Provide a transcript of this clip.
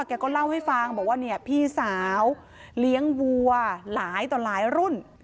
แกก็เล่าให้ฟังบอกว่าเนี่ยพี่สาวเลี้ยงวัวหลายต่อหลายรุ่น